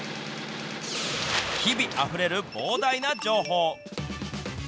日々あふれる膨大な情報。